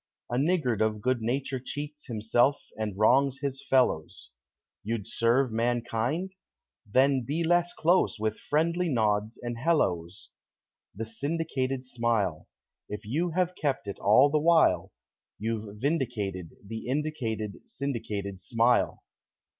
A niggard of good nature cheats Himself and wrongs his fellows. You'd serve mankind? Then be less close With friendly nods and helloes. The syndicated smile! If you have kept it all the while, You've vindicated The indicated, Syndicated Smile.